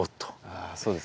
ああそうですね。